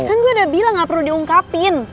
kan gue udah bilang gak perlu diungkapin